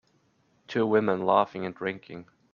Two women laughing and drinking.